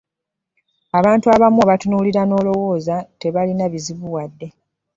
Abantu abamu obatunuulira n'olowooza tebalina bizibu wadde.